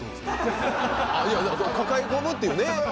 抱え込むっていうね。